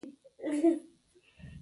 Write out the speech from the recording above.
هغه دې په ټولګي کې واوروي.